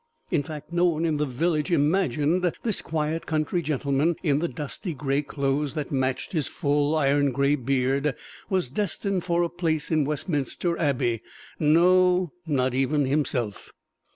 In fact, no one in the village imagined this quiet country gentleman in the dusty gray clothes that matched his full iron gray beard was destined for a place in Westminster Abbey no, not even himself!